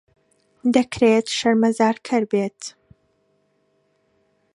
دەکرێت شەرمەزارکەر بێت.